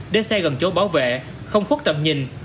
để xe gần chỗ bảo vệ không khuất tầm nhìn